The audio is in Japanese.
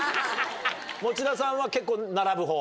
餅田さんは結構並ぶほう？